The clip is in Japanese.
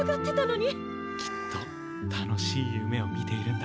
きっと楽しい夢を見ているんだ。